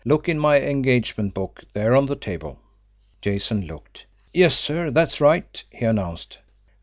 "Look in my engagement book there on the table." Jason looked. "Yes, sir, that's right," he announced.